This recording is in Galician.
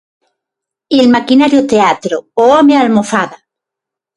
Ilmaquinario Teatro, "O Home Almofada".